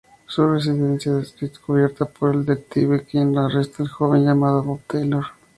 Su residencia es descubierta por el detective, quien arresta al joven, llamado Bob Taylor.